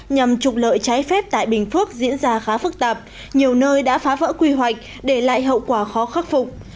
nhằm trục lợi trái phép tại bình phước diễn ra khá phức tạp nhiều nơi đã phá vỡ quy hoạch để lại hậu quả khó khắc phục